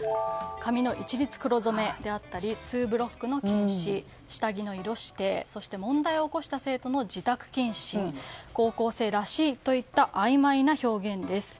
髪の一律黒染めであったりツーブロックの禁止下着の色指定そして、問題を起こした生徒の自宅謹慎高校生らしいといったあいまいな表現です。